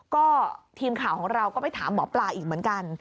ก็ทีมข่าวของเราก็ไปถามหมอปลาอีกเหมือนกัน